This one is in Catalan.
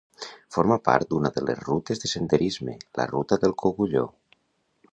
Forma part d’una de les rutes de senderisme, la Ruta del Cogulló.